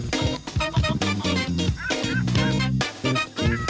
สวัสดีค่ะ